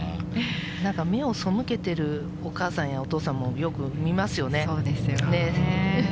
目を背けてるお母さんやお父さんもよく見ますよね。